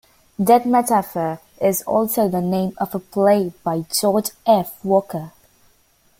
Dead Metaphor is also the name of a play by George F. Walker.